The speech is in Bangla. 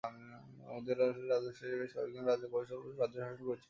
মৌর্য্য রাজবংশের রাজত্ব শেষে বেশ কয়েকজন রাজা কোশল রাজ্য শাসন করেছিলেন।